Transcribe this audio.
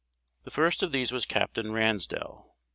The first of these was Capt. Ransdell.